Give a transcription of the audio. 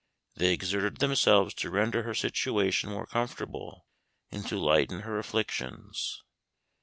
They exerted themselves to render her situation more comfortable, and to lighten her afflictions.